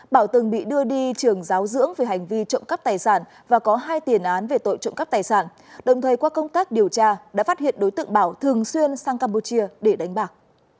bảo từng bị đưa đi trường giáo dưỡng về hành vi trộm cắp tài sản và có hai tiền án về tội trộm cắp tài sản đồng thời qua công tác điều tra đã phát hiện đối tượng bảo thường xuyên sang campuchia để đánh bạc